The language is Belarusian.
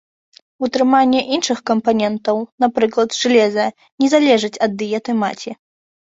Утрыманне іншых кампанентаў, напрыклад, жалеза, не залежыць ад дыеты маці.